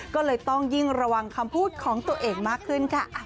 ก็เลยต้องยิ่งระวังคำพูดของตัวเองมากขึ้นค่ะ